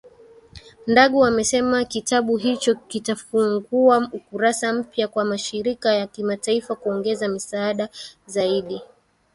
Ndagu amesema kitabu hicho kitafungua ukurasa mpya kwa mashirika ya kimataifa kuongeza misaada zaidi